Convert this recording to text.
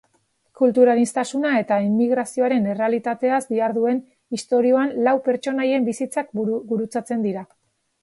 Kulturaniztasuna eta immigrazioaren errealitateaz diharduen istorioan lau pertsonaien bizitzak gurutzatzen dira.